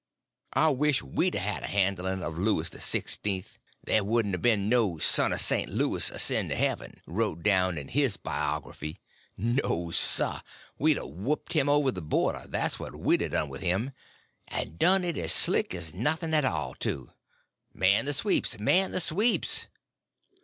I wish we'd a had the handling of Louis XVI., there wouldn't a been no 'Son of Saint Louis, ascend to heaven!' wrote down in his biography; no, sir, we'd a whooped him over the border—that's what we'd a done with him—and done it just as slick as nothing at all, too. Man the sweeps—man the sweeps!"